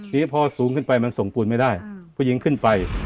ทีนี้พอสูงขึ้นไปมันส่งปูนไม่ได้ผู้หญิงขึ้นไป